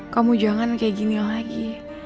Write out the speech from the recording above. kamu jangan kayak gini lagi